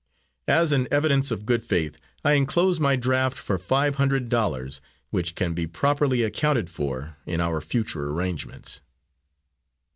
As an evidence of good faith, I enclose my draft for five hundred dollars, which can be properly accounted for in our future arrangements.